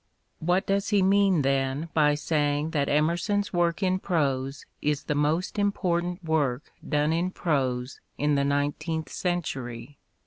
What does he mean then by saying that Emerson's work in prose is the most important work done in prose in the nineteenth century